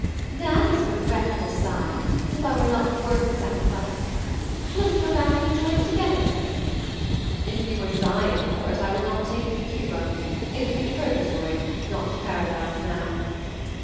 "That was a regretful sigh, as if I were not worth the sacrifice. Let us go back and enjoy it together." "If you were dying for it, I would not take you to Cuba. It would be purgatory, not paradise, now."